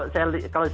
singkat saja mas